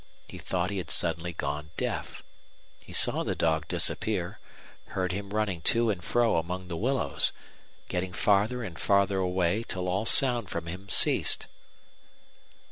He thought he had suddenly gone deaf. He saw the dog disappear, heard him running to and fro among the willows, getting farther and farther away, till all sound from him ceased.